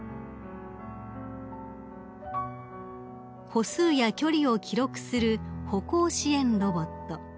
［歩数や距離を記録する歩行支援ロボット］